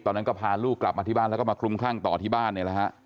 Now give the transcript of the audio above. ตอนนั้นก็พาลูกกลับมาที่บ้านแล้วก็มากลุ่มข้างต่อที่บ้าน